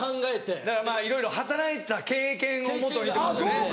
だからまぁいろいろ働いた経験をもとにってことですよね。